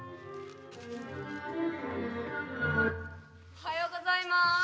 おはようございます。